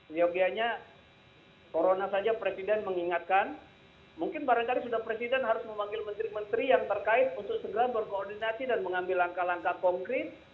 seyogianya corona saja presiden mengingatkan mungkin barangkali sudah presiden harus memanggil menteri menteri yang terkait untuk segera berkoordinasi dan mengambil langkah langkah konkret